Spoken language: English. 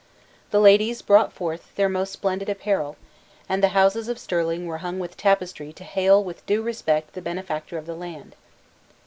The ladies brought forth their most splendid apparel; and the houses of Stirling were hung with tapestry to hail with due respect the benefactor of the land.